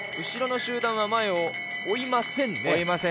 後ろの集団は前を追いませんね。